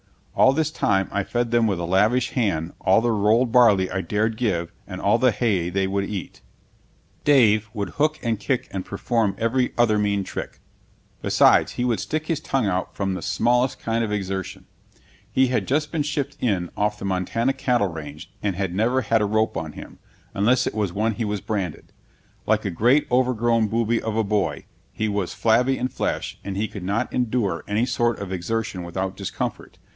All this time I fed them with a lavish hand all the rolled barley I dared give and all the hay they would eat. [Illustration: Preparing to cross a river; unyoking the oxen.] Dave would hook and kick and perform every other mean trick. Besides, he would stick his tongue out from the smallest kind of exertion. He had just been shipped in off the Montana cattle range and had never had a rope on him, unless it was when he was branded. Like a great over grown booby of a boy, he was flabby in flesh, and he could not endure any sort of exertion without discomfort.